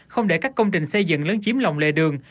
không để các công trình xây dựng lớn chiếm lòng lệ đường